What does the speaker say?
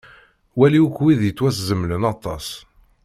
Wali akk wid yettwaszemlen aṭas.